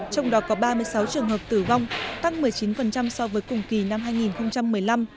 trong đó có ba mươi sáu trường hợp tử vong tăng một mươi chín so với cùng kỳ năm hai nghìn một mươi năm